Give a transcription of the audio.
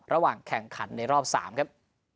ระหว่างแข่งขันในรอบ๓ครับ